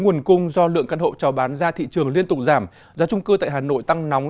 nguồn cung do lượng căn hộ trào bán ra thị trường liên tục giảm giá trung cư tại hà nội tăng nóng